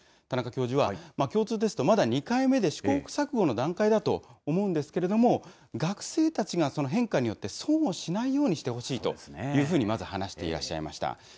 田中教授は、共通テスト、まだ２回目で、試行錯誤の段階だと思うんですけれども、学生たちが変化によって損をしないようにしてほしいというふうに、まず話していらっしゃいました。